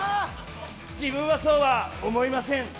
自分はそうは思いません。